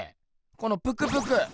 このプクプク。